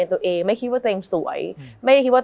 มันทำให้ชีวิตผู้มันไปไม่รอด